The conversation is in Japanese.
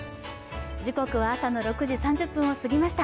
時刻は朝の６時３０分を過ぎました。